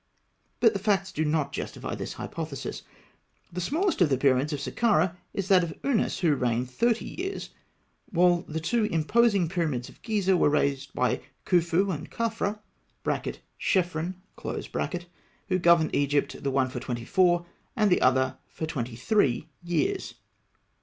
But the facts do not justify this hypothesis. The smallest of the pyramids of Sakkarah is that of Ûnas, who reigned thirty years; while the two imposing pyramids of Gizeh were raised by Khûfû and Khafra (Chephren), who governed Egypt, the one for twenty four, and the other for twenty three years.